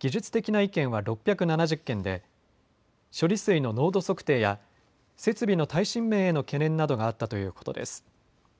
技術的な意見は６７０件で、処理水の濃度測定や設備の耐震面への懸念などがあったということです。